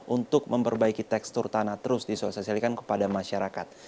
untuk memperbaiki tekstur tanah terus disosialkan kepada masyarakat